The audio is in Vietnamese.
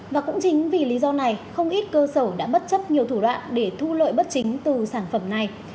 và cũng chính vì lý do này không ít cơ sở đã bất chấp nhiều thủ đoạn để thu lợi bất chính từ sản phẩm này